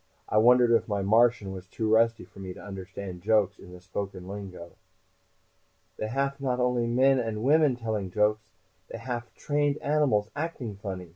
I wondered if my Martian was too rusty for me to understand jokes in the spoken lingo. "They haf not only men and women telling jokes. They haf trained animals acting funny!"